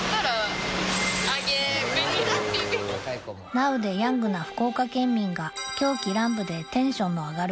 ナウでヤングな福岡県民が狂喜乱舞でテンションの上がる